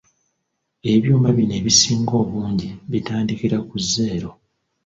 Ebyuma bino ebisinga obungi bitandikira ku zeero.